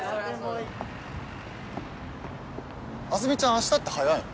明日って早いの？